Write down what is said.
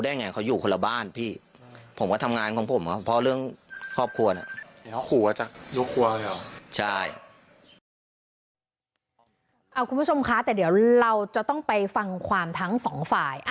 คุณผู้ชมคะแต่เดี๋ยวเราจะต้องไปฟังความทั้งสองฝ่าย